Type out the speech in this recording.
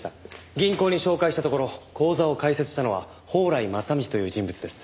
銀行に照会したところ口座を開設したのは宝来正道という人物です。